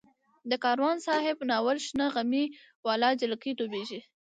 د کاروان صاحب ناول شنه غمي واله جلکۍ نومېږي.